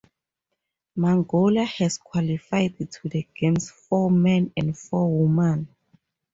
Mongolia has qualified to the games four man and four woman.